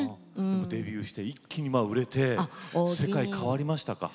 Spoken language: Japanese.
デビューして一気に売れて世界変わりましたか？